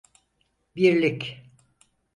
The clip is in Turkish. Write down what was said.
Birlik!